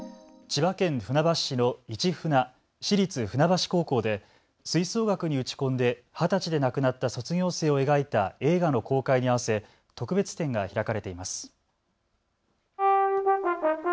千葉県船橋市のイチフナ、市立船橋高校で吹奏楽に打ち込んで二十歳で亡くなった卒業生を描いた映画の公開に合わせ特別展が開かれています。